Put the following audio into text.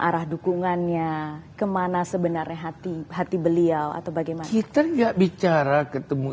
arah dukungannya kemana sebenarnya hati hati beliau atau bagaimana kita enggak bicara ketemu